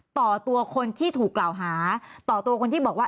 ต่อตัวคนที่ถูกกล่าวหาต่อตัวคนที่บอกว่า